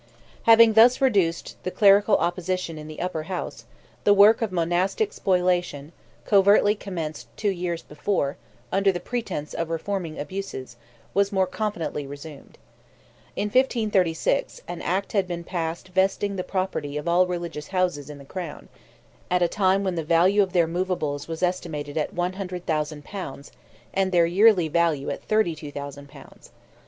Having thus reduced the clerical opposition in the Upper House, the work of monastic spoliation, covertly commenced two years before, under the pretence of reforming abuses, was more confidently resumed. In 1536, an act had been passed vesting the property of all religious houses in the Crown; at which time the value of their moveables was estimated at 100,000 pounds and their yearly value at 32,000 pounds.